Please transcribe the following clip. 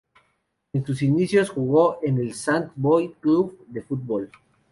En sus inicios jugó en el Sant boi Club de Futbol.